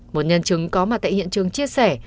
một nhân chứng có mặt tại hiện trường chia sẻ